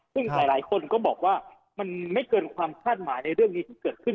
ซึ่งหลายคนก็บอกว่ามันไม่เกินความคาดหมายในเรื่องนี้ที่เกิดขึ้น